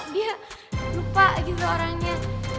dia lupa gitu orangnya